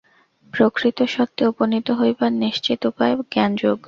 প্রকৃত সত্যে উপনীত হইবার নিশ্চিত উপায় জ্ঞানযোগ।